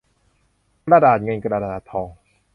กระดาษเงินกระดาษทอง